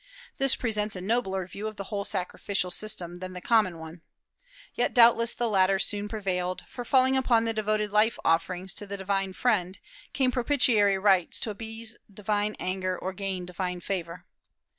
This presents a nobler view of the whole sacrificial system than the common one. Yet doubtless the latter soon prevailed; for following upon the devoted life offerings to the Divine Friend, came propitiatory rites to appease divine anger or gain divine favor.